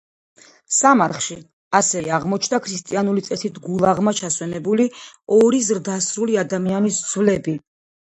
სამარხში ასევე აღმოჩნდა ქრისტიანული წესით, გულაღმა ჩასვენებული ორი ზრდასრული ადამიანის ძვლები.